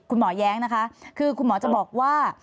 คุณหมอย้างนะคะคือคุณหมอจะบอกว่า